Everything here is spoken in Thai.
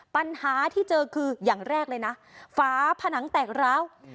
ปัญหาที่เจอคืออย่างแรกเลยนะฝาผนังแตกร้าว